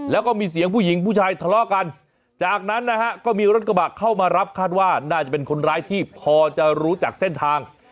แล้วก็มีเสียงผู้หญิงผู้ชายทะเลาะกันจากนั้นนะฮะก็มีรถกระบะเข้ามารับคาดว่าน่าจะเป็นคนร้ายที่พอจะรู้จักเส้นทาง